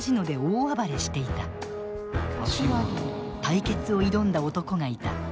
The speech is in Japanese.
対決を挑んだ男がいた。